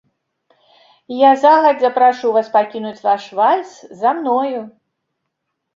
Я загадзя прашу вас пакінуць ваш вальс за мною.